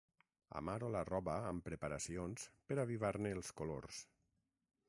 Amaro la roba amb preparacions per avivar-ne els colors.